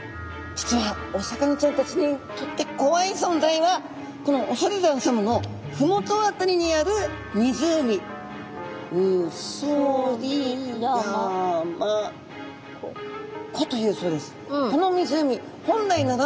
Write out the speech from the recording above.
実はお魚ちゃんたちにとってこわい存在はこの恐山さまのふもと辺りにある湖宇曽利山湖というそうです。